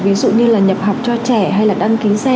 ví dụ như là nhập học cho trẻ hay là đăng ký xe